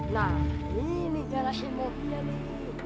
nah ini garasi mobilnya nih